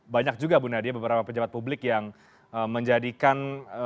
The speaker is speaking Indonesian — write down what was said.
banyak juga bu nadia beberapa pejabat publik yang menjadikan